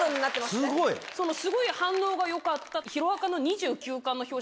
すごい反応が良かった。